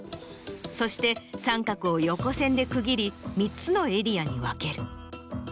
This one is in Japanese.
そして三角を横線で区切り３つのエリアに分ける。